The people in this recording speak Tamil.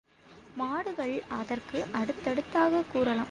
மாடுகள் அதற்கு அடுத்ததாகக் கூறலாம்.